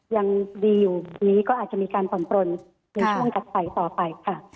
ยังดีอยู่นี้ก็อาจจะมีการผ่อนปลนในช่วงถัดไปต่อไปค่ะ